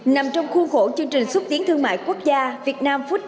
nằm trong khu khổ chương trình xúc tiến thương mại quốc gia việt nam food depot